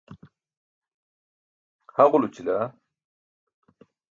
ha ġulućila